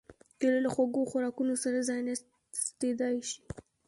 کېله له خوږو خوراکونو سره ځایناستېدای شي.